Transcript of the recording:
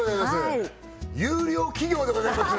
はい優良企業でございます！